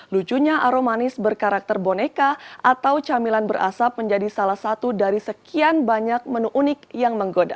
lucunya aro manis berkarakter boneka atau camilan berasap menjadi salah satu dari sekian banyak menu unik yang menggoda